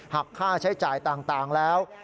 หักค่าใช้จ่ายต่างแล้ว